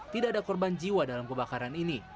tidak ada korban jiwa dalam kebakaran ini